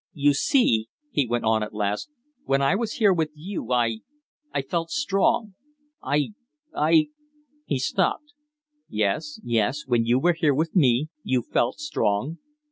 "You see," he went on, at last, "when I was here with you I I felt strong. I I " He stopped. "Yes, yes. When you were here with me you felt strong."